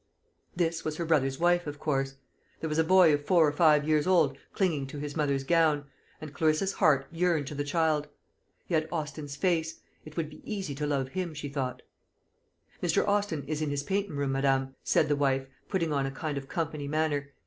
This was her brother's wife, of course. There was a boy of four or five years old clinging to his mother's gown, and Clarissa's heart yearned to the child. He had Austin's face. It would be easy to love him, she thought. "Mr. Austin is in his paintin' room, madame," said the wife, putting on a kind of company manner.